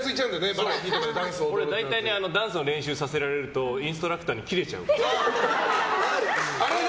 バラエティーとかで俺は大体ダンスの練習をさせられるとインストラクターにキレちゃう。